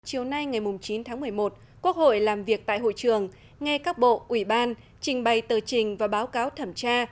chiều nay ngày chín tháng một mươi một quốc hội làm việc tại hội trường nghe các bộ ủy ban trình bày tờ trình và báo cáo thẩm tra